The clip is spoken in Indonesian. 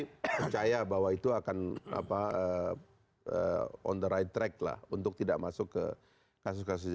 saya percaya bahwa itu akan on the right track lah untuk tidak masuk ke kasus kasus